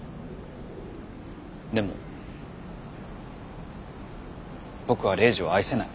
でも僕はレイジを愛せない。